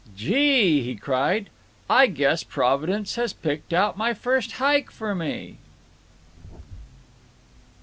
"Gee!" he cried, "I guess Providence has picked out my first hike for me."